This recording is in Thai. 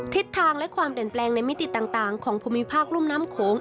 ทิศทางและความเปลี่ยนแปลงในมิติต่างของภูมิภาครุ่มน้ำโขง